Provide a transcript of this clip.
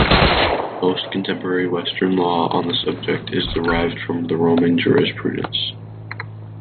Most contemporary Western law on the subject is derived from the Roman jurisprudence.